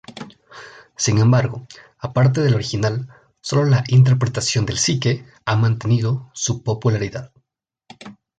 Sin embargo, aparte del original, solo la interpretación de Psique ha mantenido su popularidad.